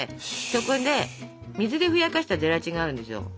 そこで水でふやかしたゼラチンがあるんですよ。